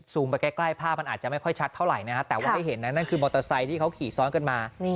ไปใกล้ภาพมันอาจจะไม่ค่อยชัดเท่าไหร่นะฮะแต่ว่าให้เห็นนะนั่นคือมอเตอร์ไซค์ที่เขาขี่ซ้อนกันมา